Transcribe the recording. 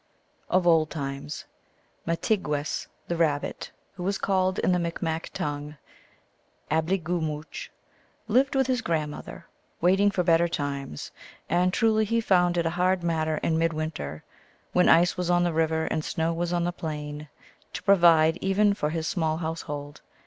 OF old times, Mahtigwess, the Rabbit, who is called in the Micmac tongue Ableegumooch, lived with his grandmother, waiting for better times ; and truly he found it a hard matter in midwinter, when ice was on the river and snow was on the plain, to provide even for his small household.